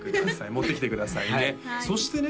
持ってきてくださいね